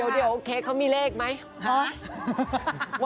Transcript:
เดี๋ยวเค้าออกเค้ามีเลขไหมฮ๊า